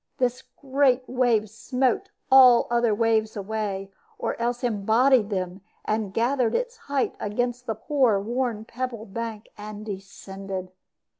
This great wave smote all other waves away, or else embodied them, and gathered its height against the poor worn pebble bank, and descended.